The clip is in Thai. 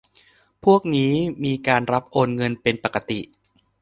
พวกนี้มีการรับโอนเงินเป็นปกติ